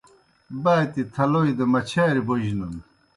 باتیْ تھلوئی دہ مچھاریْ بوجنَن